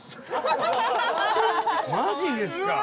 マジですか？